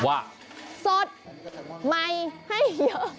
สดใหม่ให้เยอะ